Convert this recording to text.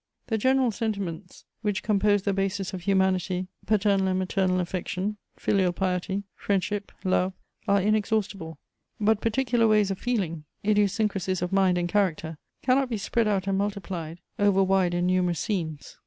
The general sentiments which compose the basis of humanity, paternal and maternal affection, filial piety, friendship, love, are inexhaustible; but particular ways of feeling, idiosyncrasies of mind and character, cannot be spread out and multiplied over wide and numerous scenes.